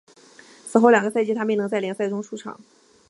此后两个赛季他没能在联赛中出场。